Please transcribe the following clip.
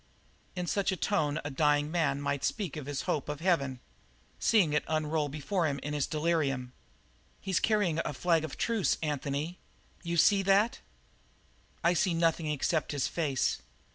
In such a tone a dying man might speak of his hope of heaven seeing it unroll before him in his delirium. "But he's carrying the flag of truce, Anthony. You see that?" "I see nothing except his face.